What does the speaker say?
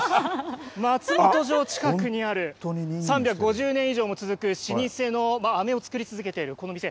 松本城近くにある３５０年以上も続く老舗のあめをつくり続けているこの店。